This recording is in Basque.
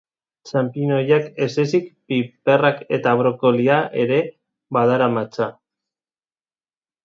Txanpiñoiak ez ezik, piperrak eta brokolia ere badaramatza.